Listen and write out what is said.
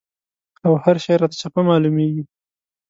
او هر شی راته چپه معلومېږي.